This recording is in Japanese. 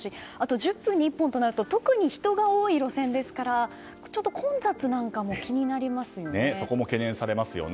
１０分に１本となると特に人が多い路線ですから混雑なんかも気になりますよね。